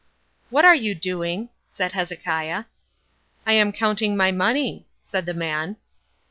"What are you doing?" said Hezekiah. "I am counting my money," said the man.